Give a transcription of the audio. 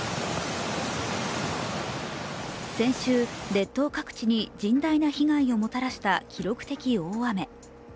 先週、列島各地に甚大な被害をもたらした記録的大雨。